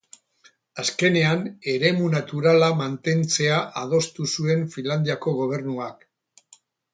Azkenean eremu naturala mantentzea adostu zuen Finlandiako Gobernuak.